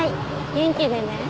元気でね。